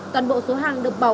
toàn bộ số hàng được bỏ